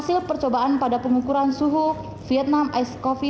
hasil percobaan pada pengukuran suhu vietnam ice coffee